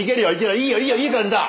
いいよいいよいい感じだ！